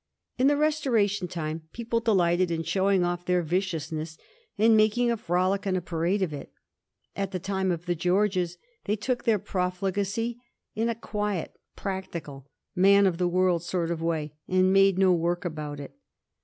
In the Restoration time people delighted in showing off their viciousness and making a frolic and a parade of it ; at the time of the Georges they took their profligacy in a quiet, practical, man of the world sort of way, and made no work about it.